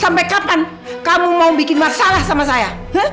sampai kapan kamu mau bikin masalah sama saya